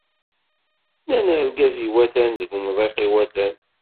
Nnan argaz iwatan deg umḍiq iwatan.